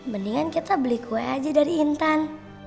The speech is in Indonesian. mendingan kita beli kue aja dari intan